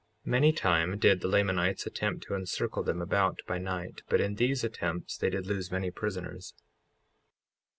55:29 Many time did the Lamanites attempt to encircle them about by night, but in these attempts they did lose many prisoners.